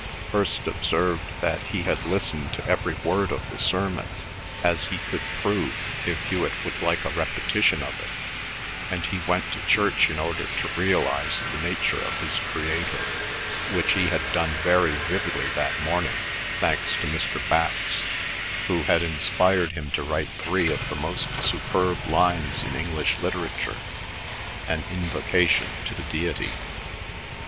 Hirst observed that he had listened to every word of the sermon, as he could prove if Hewet would like a repetition of it; and he went to church in order to realise the nature of his Creator, which he had done very vividly that morning, thanks to Mr. Bax, who had inspired him to write three of the most superb lines in English literature, an invocation to the Deity.